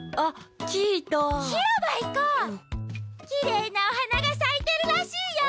きれいなおはながさいてるらしいよ！